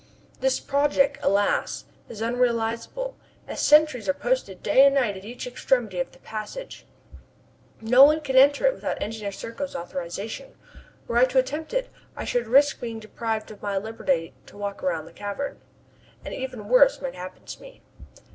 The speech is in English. This project, alas! is unrealizable, as sentries are posted day and night at each extremity of the passage. No one can enter it without Engineer Serko's authorization. Were I to attempt it, I should risk being deprived of my liberty to walk about the cavern, and even worse might happen to me.